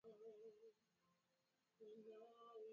Namna ya kukabiliana na ugonjwa wa homa ya bonde la ufa ni chanjo